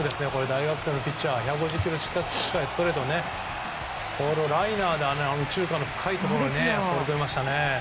大学生ピッチャーの１５０キロ近いストレートをこのライナーで右中間の深いところによく打てましたね。